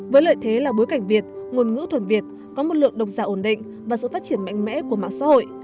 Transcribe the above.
với lợi thế là bối cảnh việt ngôn ngữ thuần việt có một lượng độc giả ổn định và sự phát triển mạnh mẽ của mạng xã hội